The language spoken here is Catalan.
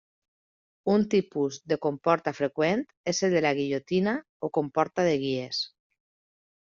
Un tipus de comporta freqüent és el de guillotina o comporta de guies.